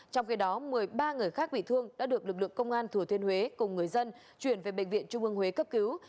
trong khi đó một mươi ba người khác bị thương đã được lực lượng công an thừa thiên huế cùng người dân chuyển về bệnh viện trung ương huế cấp cứu